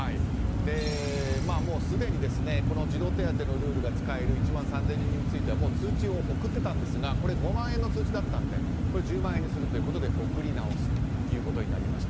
すでに児童手当のルールが使える１万３０００人についてはもう通知を送っていたんですが５万円の通知だったので１０万円にするということで送り直すことになりました。